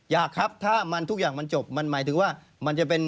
อยากครับถ้ามันทุกอย่างมันจบมันหมายถึงว่ามันจะเป็น